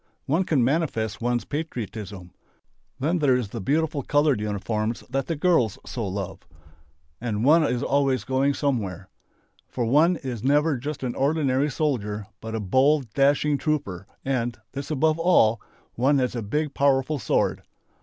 One can manifest one's patriotism. Then there is the beautiful coloured uniform that the girls so love and one is always going somewhere. For one is never just an ordinary soldier but a bold, dashing trooper, and this above all! one has a big powerful sword.